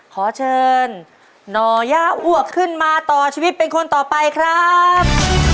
ขอเชิญนอย่าอ้วกขึ้นมาต่อชีวิตเป็นคนต่อไปครับ